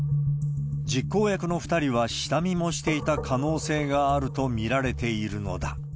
実行役の２人は下見もしていた可能性があると見られているのだ。